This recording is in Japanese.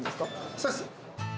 そうです。